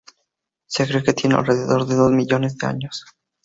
Se cree que tienen alrededor de dos millones de años.